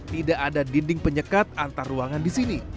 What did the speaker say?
tidak ada dinding penyekat antar ruangan di sini